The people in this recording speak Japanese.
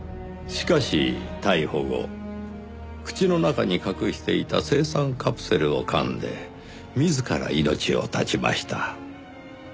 しかし逮捕後口の中に隠していた青酸カプセルを噛んで自ら命を絶ちました。